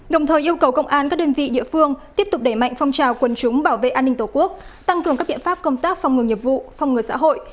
đồng thời yêu cầu công an các đơn vị địa phương tiếp tục đẩy mạnh phong trào quân chúng bảo vệ an ninh tổ quốc tăng cường các biện pháp công tác phòng ngừa nghiệp vụ phòng ngừa xã hội